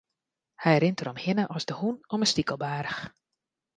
Hy rint deromhinne as de hûn om in stikelbaarch.